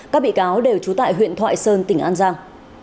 các bị cáo đều trú tại huyện thoại sơn tỉnh an giang